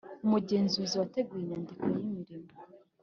Umugenzuzi wateguye inyandiko y imirimo